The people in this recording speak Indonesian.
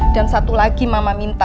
dan satu lagi mama minta